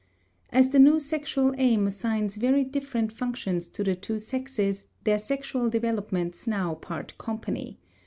As the new sexual aim assigns very different functions to the two sexes their sexual developments now part company.